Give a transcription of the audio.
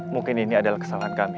mungkin ini adalah kesalahan kami